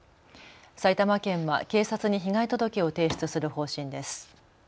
埼玉県は警察に被害届を提出する方針です。